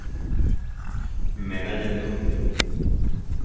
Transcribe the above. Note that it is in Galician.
Medalla de Ouro de Lugo.